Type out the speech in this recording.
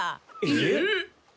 えっ？